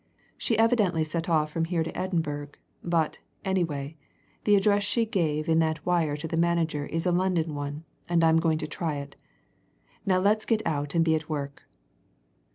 "She evidently set off from here to Edinburgh; but, anyway, the address she gave in that wire to the manager is a London one, and I'm going to try it. Now let's get out and be at work."